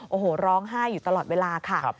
โอ้โหร้องไห้อยู่ตลอดเวลาค่ะ